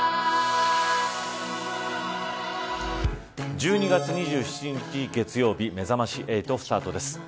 １２月２７日月曜日めざまし８スタートです。